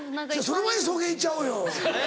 その前に草原行っちゃおうよ。